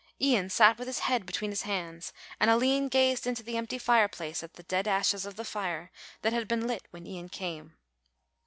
Ian sat with his head between his hands and Aline gazed into the empty fireplace at the dead ashes of the fire that had been lit when Ian came.